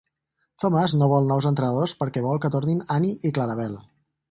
Thomas no vol nous entrenadors perquè vol que tornin Annie i Clarabel.